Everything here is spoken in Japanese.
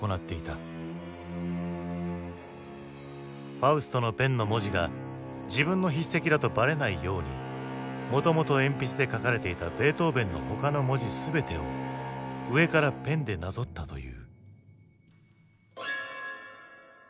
「ファウスト」のペンの文字が自分の筆跡だとばれないようにもともと鉛筆で書かれていたベートーヴェンの他の文字全てを上からペンでなぞったという。